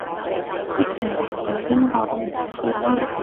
即係話佢邊個都唔想見啦